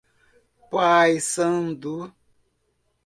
Paiçandu